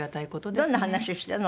どんな話してるの？